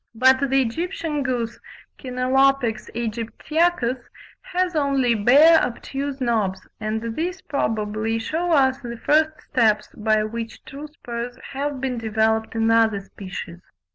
But the Egyptian goose (Chenalopex aegyptiacus) has only "bare obtuse knobs," and these probably shew us the first steps by which true spurs have been developed in other species.